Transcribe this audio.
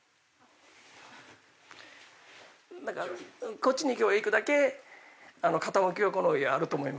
こっちに行けば行くだけ傾きはこの家あると思います。